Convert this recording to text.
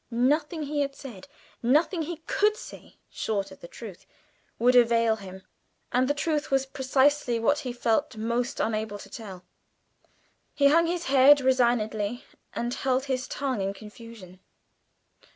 Nothing he had said, nothing he could say, short of the truth, would avail him, and the truth was precisely what he felt most unable to tell. He hung his head resignedly, and held his tongue in confusion.